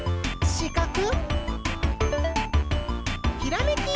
しかく！